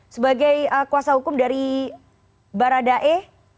sebagai kuasa hukum dari barada e